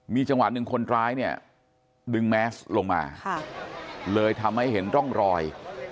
มีจังหวะหนึ่งคนร้ายเนี่ยดึงแมสลงมาเลยทำให้เห็นร่องรอย